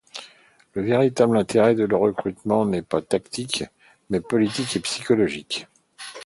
Le véritable intérêt de leur recrutement n’est pas tactique mais politique et psychologique.